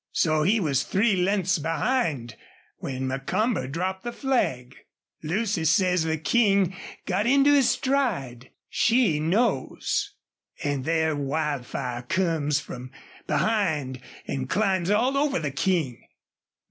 So he was three lengths behind when Macomber dropped the flag. Lucy says the King got into his stride. She knows. An' there Wildfire comes from behind an' climbs all over the King!